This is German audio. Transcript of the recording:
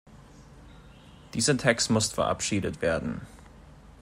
Dieser Text muss verabschiedet werden.